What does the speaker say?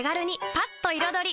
パッと彩り！